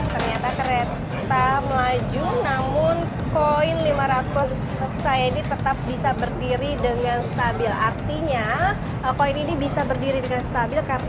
ternyata kereta melaju namun koin lima ratus saya ini tetap bisa berdiri dengan stabil